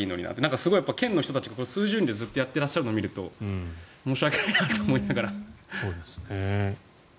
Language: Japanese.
すごい県の人、数十人でずっとやってらっしゃるのを見ると申し訳ないなと思いながら。